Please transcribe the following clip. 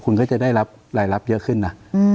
คุณก็จะได้รับรายรับเยอะขึ้นนะ